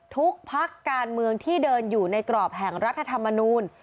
พักการเมืองที่เดินอยู่ในกรอบแห่งรัฐธรรมนูล